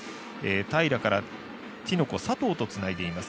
平良からティノコ佐藤とつないでいます。